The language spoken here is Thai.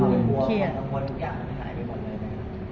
เราก็เคลียร์ตรงบนทุกอย่างมันหายได้หมดเลยหรือเปล่า